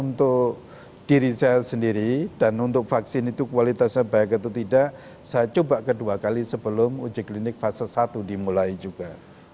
untuk diri saya sendiri dan untuk vaksin itu kualitasnya baik atau tidak saya coba kedua kali sebelum uji klinik fase satu dimulai juga